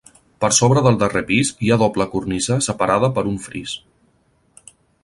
Per sobre del darrer pis, hi ha doble cornisa separada per un fris.